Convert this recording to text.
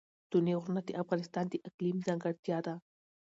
ستوني غرونه د افغانستان د اقلیم ځانګړتیا ده.